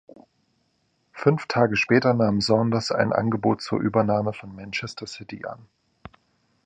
Fünf Tage später nahm Saunders ein Angebot zur Übernahme von Manchester City an.